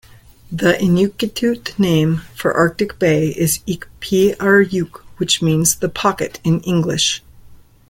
The Inuktitut name for Arctic Bay is "Ikpiarjuk" which means "the pocket" in English.